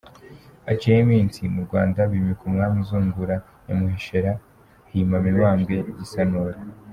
Haciyeho iminsi, mu Rwanda bimika umwami uzungura Nyamuheshera; hima Mibambwe Gisanura.